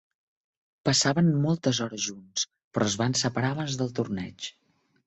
Passaven moltes hores junts, però es van separar abans del torteig.